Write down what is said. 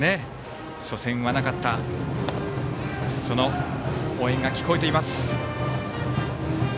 初戦はなかった応援が聞こえています。